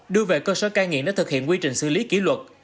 đưa về cơ sở cai nghiện để thực hiện quy trình xử lý kỷ luật